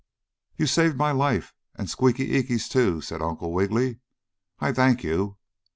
"But you saved my life, and Squeaky Eeky's, too," said Uncle Wiggily. "I thank you!"